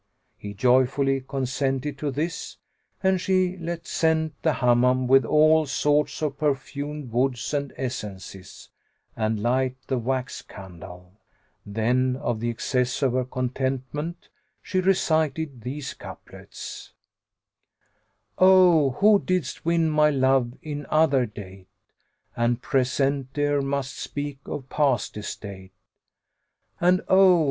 He joyfully consented to this, and she let scent the Hammam with all sorts of perfumed woods and essences, and light the wax candles. Then of the excess of her contentment she recited these couplets, "O who didst win my love in other date * (And Present e'er must speak of past estate); And, oh!